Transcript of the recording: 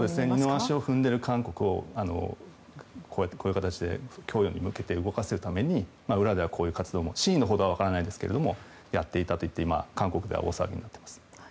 二の足を踏んでいる韓国をこういう形で供与に向けて動かすために裏ではこういう活動を真偽のほどは分からないんですがやっていたといって韓国では大騒ぎになっています。